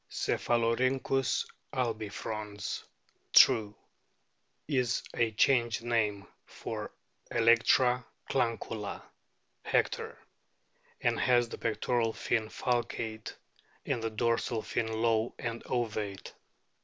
Cephalorhynchw albifrons. True, is a changed name for Electra clancula, Hector,* and has the pectoral fin falcate and the dorsal fin low and ovate.